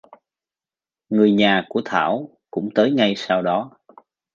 người nhà của thảo cũng tới ngay sau đó